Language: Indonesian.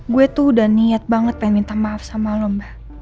gue tuh udah niat banget pengen minta maaf sama lomba